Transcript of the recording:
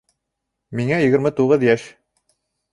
Миңә егерме туғыҙ йәш.